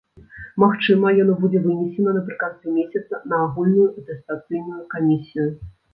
Магчыма, яно будзе вынесена напрыканцы месяца на агульную атэстацыйную камісію.